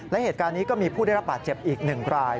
และเหตุการณ์นี้ก็มีผู้ได้รับบาดเจ็บอีก๑ราย